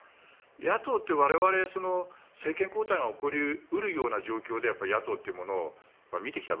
野党って我々政権交代が起こり得る状況で野党というものを見てきた